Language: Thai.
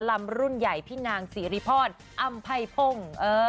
ลำรุ่นใหญ่พี่นางสิริพรอำไพพงศ์